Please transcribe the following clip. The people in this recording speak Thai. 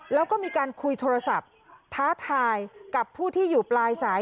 แล้วก็มีการคุยโทรศัพท์ท้าทายกับผู้ที่อยู่ปลายสาย